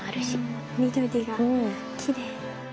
うん緑がきれい。